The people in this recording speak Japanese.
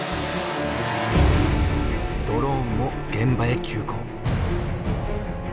ドローンも現場へ急行。